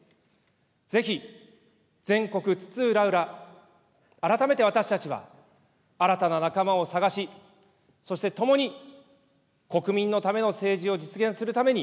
ぜひ、全国津々浦々、改めて私たちは、新たな仲間を探し、そしてともに国民のための政治を実現するために、